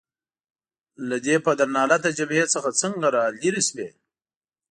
له دې پدرلعنته جبهې څخه څنګه رالیري شوې؟